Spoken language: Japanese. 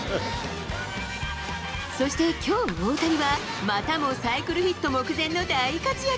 そして今日、大谷は、またもサイクルヒット目前の大活躍！